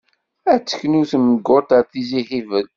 Ad teknu Temguṭ ar Tizi Hibel.